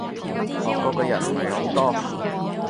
學過嘅人唔係好多